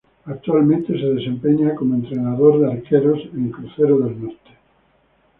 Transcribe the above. Actualmente se desempeña como entrenador de arqueros en Crucero del Norte.